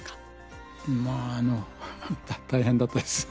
まあ大変だったです。